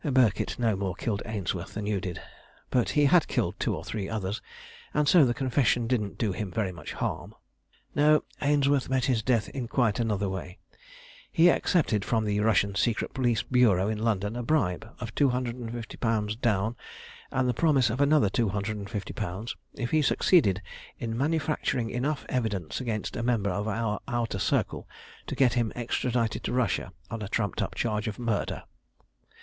Birkett no more killed Ainsworth than you did; but he had killed two or three others, and so the confession didn't do him very much harm. "No; Ainsworth met his death in quite another way. He accepted from the Russian secret police bureau in London a bribe of £250 down and the promise of another £250 if he succeeded in manufacturing enough evidence against a member of our Outer Circle to get him extradited to Russia on a trumped up charge of murder.